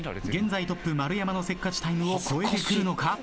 現在トップ丸山のせっかちタイムを超えてくるのか？